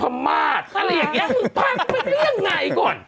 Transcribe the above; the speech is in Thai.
อะไรอย่างนี้พากูไปเลี่ยงไงก่อน